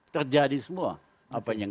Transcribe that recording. terjadi semua apa yang